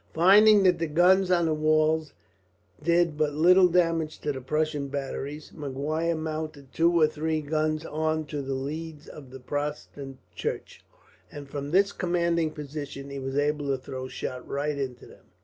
Finding that the guns on the walls did but little damage to the Prussian batteries, Maguire mounted two or three guns on to the leads of the Protestant church, and from this commanding position he was able to throw shot right into them.